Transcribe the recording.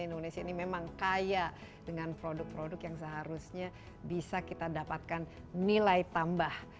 indonesia ini memang kaya dengan produk produk yang seharusnya bisa kita dapatkan nilai tambah